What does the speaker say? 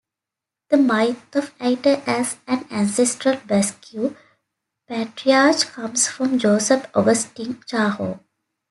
The myth of Aitor as an ancestral Basque patriarch comes from Joseph-Augustine Chaho.